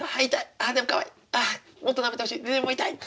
あでもかわいいもっとなめてほしいでも痛い！っていう状況です。